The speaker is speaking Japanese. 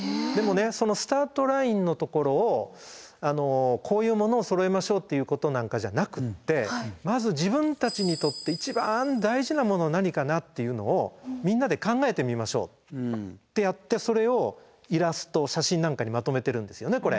でもねそのスタートラインのところをこういうものをそろえましょうっていうことなんかじゃなくってまず自分たちにとって一番大事なもの何かなっていうのをみんなで考えてみましょうってやってそれをイラスト写真なんかにまとめてるんですよね